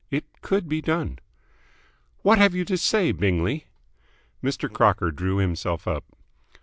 It could be done. ... "What have you to say, Bingley?" Mr. Crocker drew himself up.